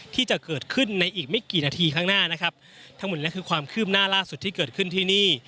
ที่จะเกิดขึ้นในอีกไม่กี่นาทีข้างหน้านะครับทั้งหมดนี้คือความคืบหน้าล่าสุดที่เกิดขึ้นที่นี่